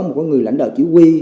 một người lãnh đạo chỉ huy